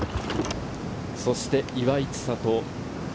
そして岩井千怜。